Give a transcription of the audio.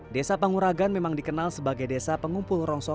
desa panguragan memang dikenal sebagai desa pengumpul rongsong